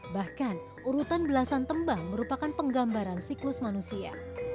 bahkan urutan belasan tembang merupakan penggambaran siklus manusia